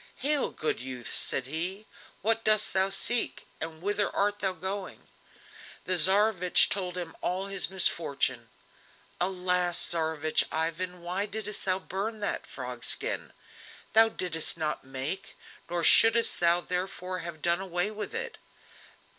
"Hail, good youth!" said he, "what dost thou seek, and whither art thou going?" The Tsarevich told him all his misfortune. "Alas! Tsarevich Ivan, why didst thou burn that frog skin? Thou didst not make, nor shouldst thou therefore have done away with it.